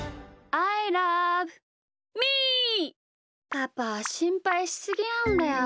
パパしんぱいしすぎなんだよ。